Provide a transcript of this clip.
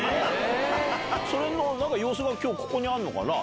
それの様子が今日あるのかな。